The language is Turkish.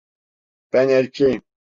Ben erkeğim.